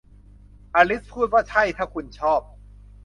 อลิซพูดว่า ใช่ ถ้าคุณชอบ